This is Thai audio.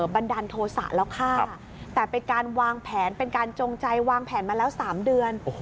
บันดาลโทษะแล้วค่ะแต่เป็นการจงใจวางแผนมาแล้วสามเดือน